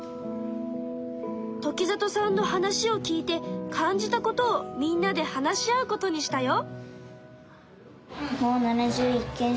時里さんの話を聞いて感じたことをみんなで話し合うことにしたよ。